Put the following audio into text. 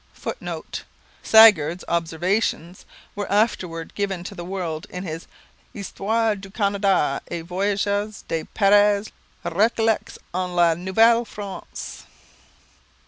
[Footnote: Sagard's observations were afterwards given to the world in his 'Histoire du Canada et Voyages des Peres Recollects en la Nouvelle France.'